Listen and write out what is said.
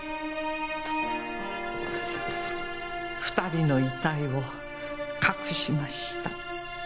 ２人の遺体を隠しました。